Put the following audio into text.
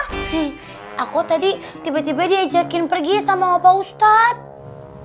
hmm aku tadi tiba tiba diajakin pergi sama ngomong ustadz